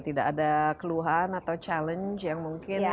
tidak ada keluhan atau challenge yang mungkin